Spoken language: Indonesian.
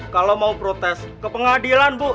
kalau mau protes ke pengadilan bu